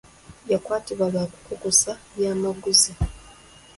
Yakwatibwa lwa kukukusa byamaguzi.